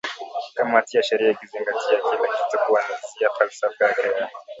kamati ya sheria ikizingatia kila kitu kuanzia falsafa yake ya